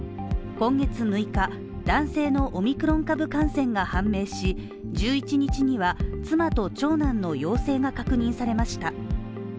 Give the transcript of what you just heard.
今月６日、男性のオミクロン株感染が判明し、１１日には妻と長男の陽性が確認されました。